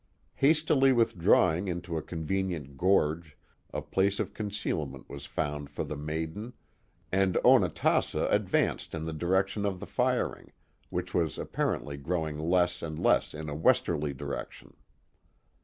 Hastily withdrawing into a convenient gorge, a place of con cealment was found for the maiden, and Onatassa advanced in the direction of the firing, which was apparently growing less and less in a westerly direction.